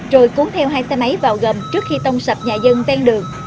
rồi cuốn theo hai xe máy vào gầm trước khi tông sập nhà dân ven đường